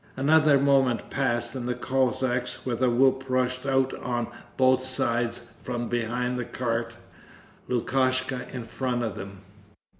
Another moment passed and the Cossacks with a whoop rushed out on both sides from behind the cart Lukashka in front of them.